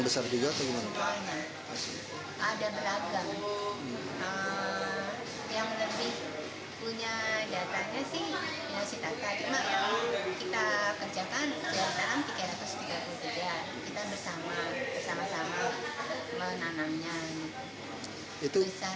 besar kecilnya nanti ditunggu data resmi